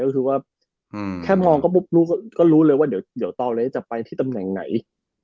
คือว่าแค่มองก็รู้เลยว่าเดี๋ยวตอเลสจะไปที่ตำแหน่งไหน